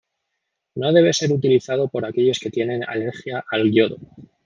No debe ser utilizado por aquellos que tienen alergia al yodo.